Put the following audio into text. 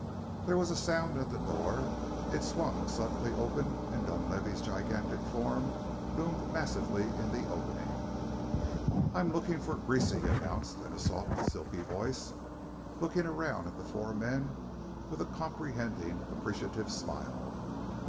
There was a sound at the door; it swung suddenly open and Dunlavey's gigantic frame loomed massively in the opening. "I'm looking for Greasy!" he announced in a soft, silky voice, looking around at the four men with a comprehending, appreciative smile.